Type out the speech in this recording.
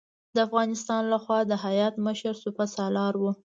د افغانستان له خوا د هیات مشر سپه سالار و.